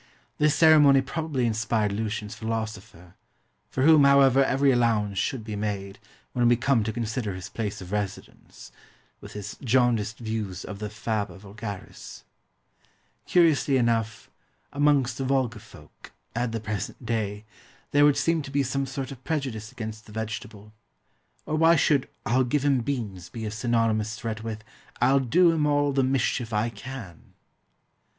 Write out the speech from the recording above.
This ceremony probably inspired Lucian's philosopher for whom, however, every allowance should be made, when we come to consider his place of residence with his jaundiced views of the Faba vulgaris. Curiously enough, amongst the vulgar folk, at the present day, there would seem to be some sort of prejudice against the vegetable; or why should "I'll give him beans" be a synonymous threat with "I'll do him all the mischief I can?"